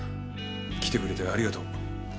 来てくれてありがとう。